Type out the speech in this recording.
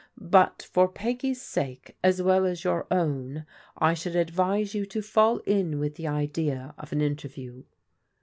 But for Peggy's sake, as well as your own, I should advise you to fall in with the idea of an interview.'